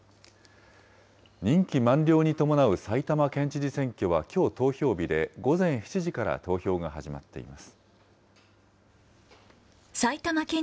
任期満了に伴う埼玉県知事選挙はきょう投票日で、午前７時から投票が始まっています。